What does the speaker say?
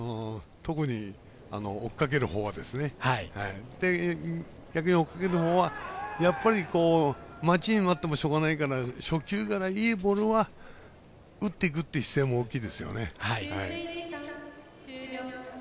逆に追っかけるほうはやっぱり、待ちに待ってもしょうがないから初球からいいボールは打っていくっていう姿勢も大きいですよね。